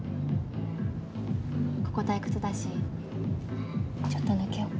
ここ退屈だしちょっと抜けよっか。